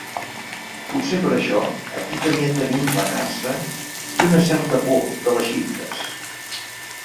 Potser per això aquí també tenim recança i una certa por de les xifres.